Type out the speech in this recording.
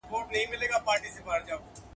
د اقتصاد د توازن تيوري وړاندې سوې وه.